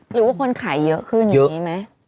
หรือว่าคนขายเยอะขึ้นอย่างนี้ไหม